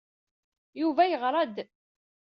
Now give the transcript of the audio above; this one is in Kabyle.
Yuba yeɣra-d.